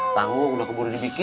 sanggung lah keburu dibikin